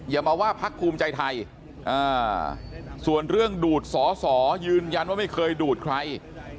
อย่ามาว่าพักภูมิใจไทยส่วนเรื่องดูดสอสอยืนยันว่าไม่เคยดูดใคร